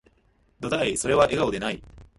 どだい、それは、笑顔でない